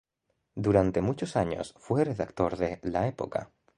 Durante muchos años fue redactor de "La Época".